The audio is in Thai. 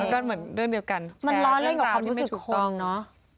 ดั่งบรึงเดียวกันมันล้วนเรื่องความรู้สึกความเนาะ